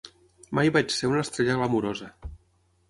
Mai vaig ser una estrella glamurosa..